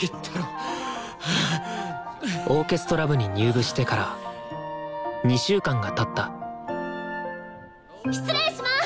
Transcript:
オーケストラ部に入部してから２週間がたった失礼します！